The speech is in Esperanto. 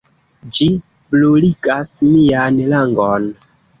Ĝi bruligas mian langon!